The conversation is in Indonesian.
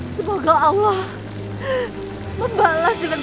semoga allah membalas dengan balasan yang sempit